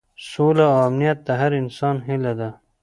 سوله او امنیت د هر انسان هیله ده.